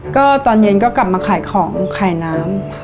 ก็ตอนเย็นก็กลับมาขายของขายน้ำ